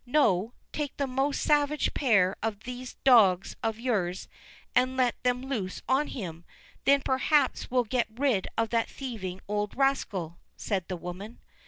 No, take the most savage pair of those dogs of yours and let them loose on him, then perhaps we'll get rid of that thieving old rascal," said the woman.